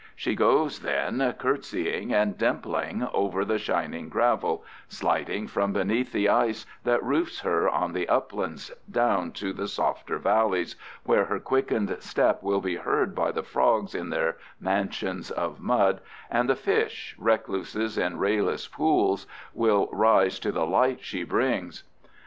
She goes then curtsying and dimpling over the shining gravel, sliding from beneath the ice that roofs her on the uplands down to the softer valleys, where her quickened step will be heard by the frogs in their mansions of mud, and the fish, recluses in rayless pools, will rise to the light she brings.